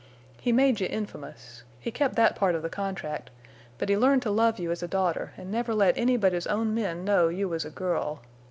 He made you infamous. He kept that part of the contract, but he learned to love you as a daughter an' never let any but his own men know you was a girl.